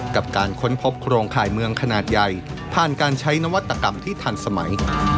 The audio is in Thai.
กับการค้นพบโครงข่ายเมืองขนาดใหญ่ผ่านการใช้นวัตกรรมที่ทันสมัย